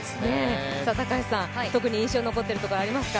高橋さん、印象に残っているシーンありますか？